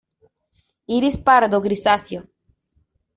Iris pardo grisáceo.